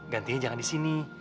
gantinya jangan di sini